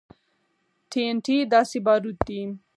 ټي ان ټي داسې باروت دي.